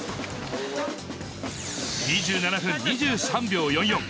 ２７分２３秒４４。